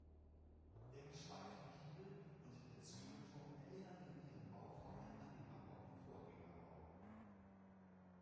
Der geschweifte Giebel und der Zwiebelturm erinnern in ihren Bauformen an den barocken Vorgängerbau.